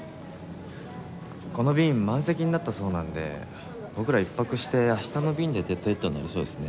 この便満席になったそうなので僕らは１泊して明日の便でＤＥＡＤＨＥＡＤになりそうですね。